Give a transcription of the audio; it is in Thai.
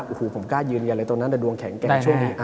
โอ้โหผมกล้ายืนยันเลยตอนนั้นแต่ดวงแข็งแกร่งช่วงนี้